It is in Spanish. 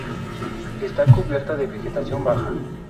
Está cubierta de vegetación baja.